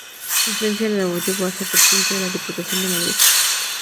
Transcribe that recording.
Su influencia le llevó a ser Presidente de la Diputación de Madrid.